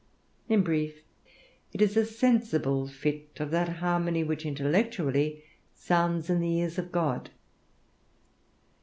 In brief, it is a sensible fit of that harmony which intellectually sounds in the ears of God.